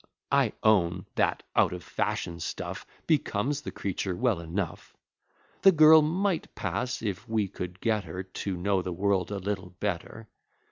I own, that out of fashion stuff Becomes the creature well enough. The girl might pass, if we could get her To know the world a little better.